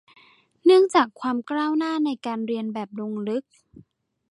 เนื่องจากความก้าวหน้าในการเรียนแบบลงลึก